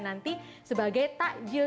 nanti sebagai takjil